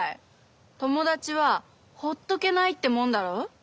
友達はほっとけないってもんだろう？